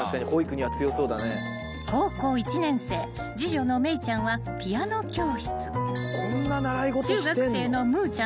［高校１年生次女の芽生ちゃんはピアノ教室］